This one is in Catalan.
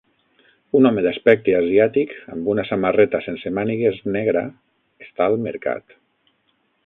Un home d'aspecte asiàtic amb una samarreta sense mànigues negra està al mercat.